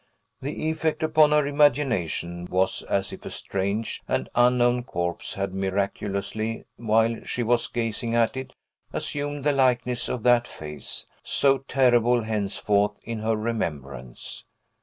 The effect upon her imagination was as if a strange and unknown corpse had miraculously, while she was gazing at it, assumed the likeness of that face, so terrible henceforth in her remembrance.